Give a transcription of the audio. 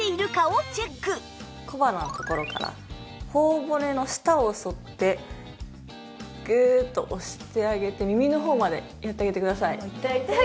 小鼻のところから頬骨の下を沿ってグーッと押してあげて耳の方までやってあげてください。